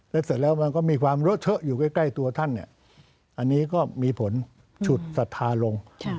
แล้วเสร็จแล้วมันก็มีความเลอะเทอะอยู่ใกล้ตัวท่านอันนี้ก็มีผลฉุดศรัทธาลง